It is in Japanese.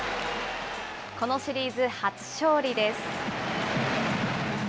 このシリーズ、初勝利です。